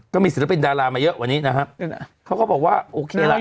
ก็มีศิลปินดารามาเยอะกว่านี้นะฮะเขาก็บอกว่าโอเคล่ะ